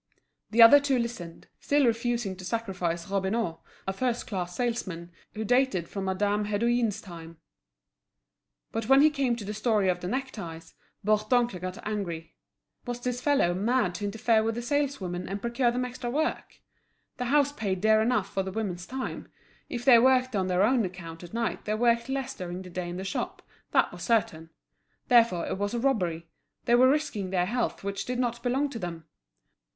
The other two listened, still refusing to sacrifice Robineau, a first class salesman, who dated from Madame Hédouin's time. But when he came to the story of the neckties, Bourdoncle got angry. Was this fellow mad to interfere with the saleswomen and procure them extra work? The house paid dear enough for the women's time; if they worked on their own account at night they worked less during the day in the shop, that was certain; therefore it was a robbery, they were risking their health which did not belong to them.